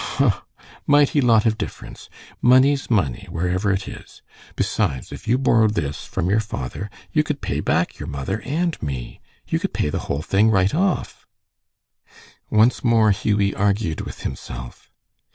"Huh! Mighty lot of difference! Money's money, wherever it is. Besides, if you borrowed this from your father, you could pay back your mother and me. You would pay the whole thing right off." Once more Hughie argued with himself.